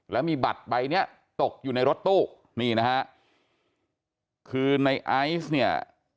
แล้วมีบัตรใบเนี้ยตกอยู่ในรถตู้นี่นะฮะคือในไอซ์เนี่ย